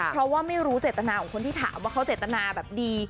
เพราะว่าไม่รู้เจตนาของคนที่ถามว่าเขาเจตนาแบบดี